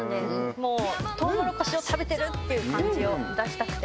もうとうもろこしを食べてるっていう感じを出したくて。